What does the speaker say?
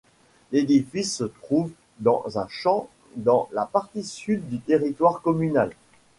L'édifice se trouve dans un champ dans la partie sud du territoire communal.